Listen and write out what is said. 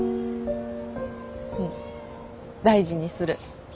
うん大事にする。